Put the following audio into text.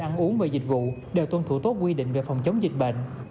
ăn uống và dịch vụ đều tuân thủ tốt quy định về phòng chống dịch bệnh